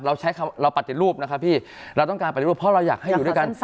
เราใช้คำเราปฏิรูปนะครับพี่เราต้องการปฏิรูปเพราะเราอยากให้อยู่ด้วยกัน